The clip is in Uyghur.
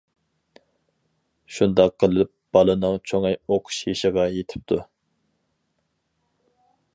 شۇنداق قىلىپ بالىنىڭ چوڭى ئوقۇش يېشىغا يېتىپتۇ.